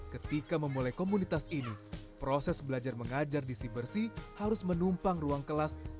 ketika memulai komunitas ini proses belajar mengajar di si bersih bersih harus menumpang ruang kelas